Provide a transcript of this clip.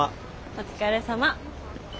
お疲れさま。